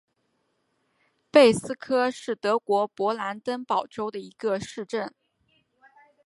贝斯科是德国勃兰登堡州的一个市镇。